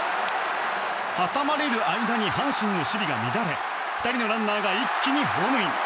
挟まれる間に阪神の守備が乱れ２人のランナーが一気にホームイン。